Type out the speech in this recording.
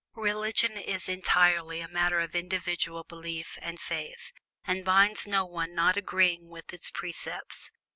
Religion is entirely a matter of individual belief and faith, and binds no one not agreeing with its precepts.